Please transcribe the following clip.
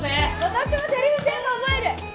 私もセリフ全部覚える！